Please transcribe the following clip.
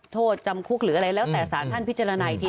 โทษจำคุกหรืออะไรแล้วแต่สารท่านพิจารณาอีกที